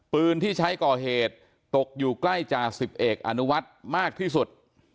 ปืนที่ใช้ก่อเหตุตกอยู่ใกล้จ่าสิบเอกอนุวัฒน์มากที่สุด